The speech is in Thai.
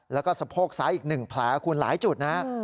แล้วก็สะโพกซ้ายอีก๑แผลคุณหลายจุดนะฮะ